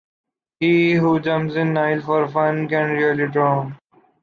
He who jumps in Nile for fun can really drown.